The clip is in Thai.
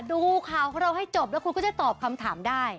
ดูข่าวของเราให้จบแล้วคุณก็จะตอบคำถามได้